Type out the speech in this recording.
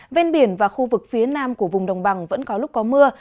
ven biển và khu vực phía nam của vùng đồng bằng vẫn có lúc có mưa